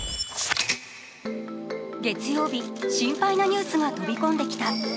月曜日、心配なニュースが飛び込んできた。